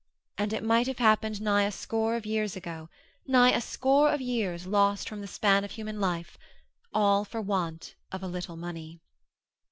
And it might have happened nigh a score of years ago; nigh a score of years lost from the span of human life—all for want of a little money.